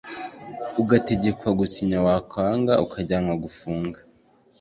ugategekwa gusinya wakwanga ukajyanwa gufungwa